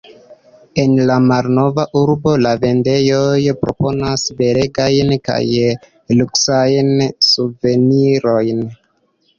En la malnova urbo la vendejoj proponas belegajn kaj luksajn suvenirojn.